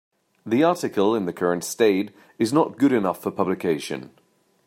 The article in the current state is not good enough for publication.